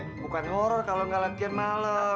b bukan horor kalau nggak latihan malem